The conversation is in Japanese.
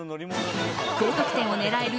高得点を狙える